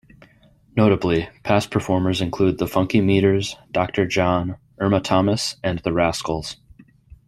Notably, past performers include the Funky Meters, Doctor John, Irma Thomas and The Rascals.